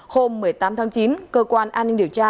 hôm một mươi tám tháng chín cơ quan an ninh điều tra